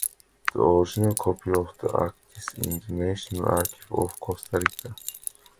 The original copy of the Actis in the National Archive of Costa Rica.